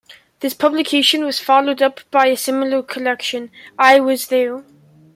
This publication was followed up with a similar collection, I Was There!